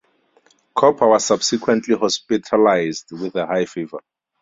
Cooper was subsequently hospitalized with a high fever.